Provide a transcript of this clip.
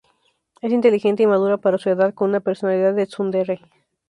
Es inteligente y madura para su edad, con una personalidad de "tsundere".